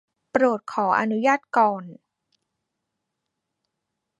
โปรดขออนุญาตก่อน